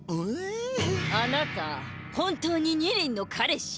あなた本当にニリンの彼氏？